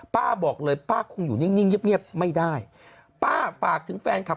บอกเลยป้าคงอยู่นิ่งเงียบเงียบไม่ได้ป้าฝากถึงแฟนคลับ